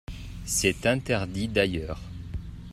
C’est interdit, d’ailleurs